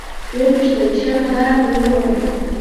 ويې پوښتل ښه نو دا راته ووايه.